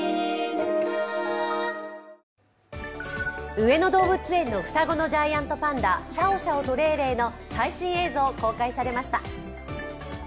上野動物園の双子のジャイアントパンダ、シャオシャオとレイレイの最新映像、公開されました。